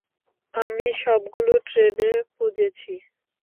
আমি সবগুলো ট্রেনে খুঁজেছি।